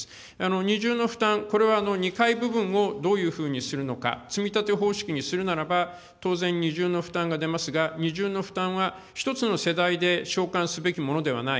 二重の負担、これは２階部分をどういうふうにするのか、積み立て方式にするならば、当然、二重の負担が出ますが、二重の負担は１つの世代で償還すべきものではない。